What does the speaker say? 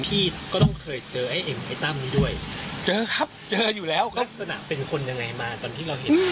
พี่ก็ต้องเคยเจอไอ้เอ็มไอ้ตั้มนี้ด้วยเจอครับเจออยู่แล้วลักษณะเป็นคนยังไงมาตอนที่เราเห็น